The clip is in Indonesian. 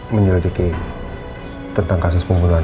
menyelidiki tentang kasus penggunaan roi pahlawan